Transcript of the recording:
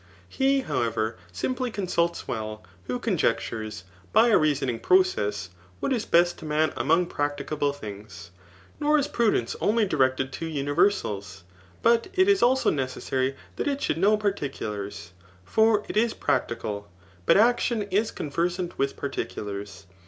He, how* ever, simply consults well, who conjectures, by a reason ing process, what is best to man among practicable things. Nor is prudence only directed to universals9 but it is also necessary that it should know particulars ; for it is practical) but action is conversant with particu lars.